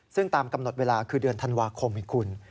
ซึ่งตามกำหนดเวลาคือเดือนธันวาคมอีกคุณ